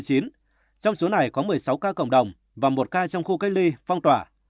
trong số này có một mươi sáu ca cộng đồng và một ca trong khu cách ly phong tỏa